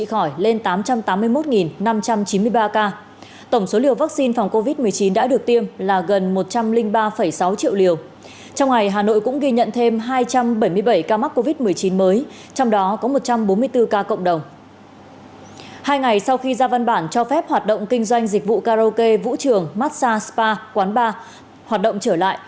hai ngày sau khi ra văn bản cho phép hoạt động kinh doanh dịch vụ karaoke vũ trường massage spa quán bar hoạt động trở lại